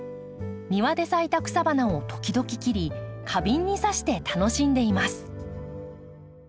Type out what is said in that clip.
庭で咲いた草花を時々切り花瓶に挿して楽しんでいます。